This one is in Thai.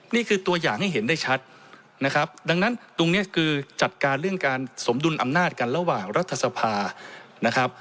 นี่คือตัวอย่างให้เห็นได้ชัดนะครับดังนั้นตรงนี้คือจัดการเรื่องการสมดุลอำนาจกันระหว่างรัฐสภานะครับ